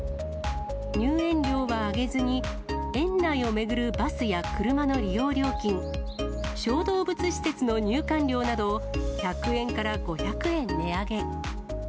入園料は上げずに、園内を巡るバスや車の利用料金、しょうどうぶつしせつの入館料などを、１００円から５００円値上げ。